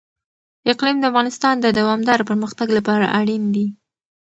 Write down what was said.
اقلیم د افغانستان د دوامداره پرمختګ لپاره اړین دي.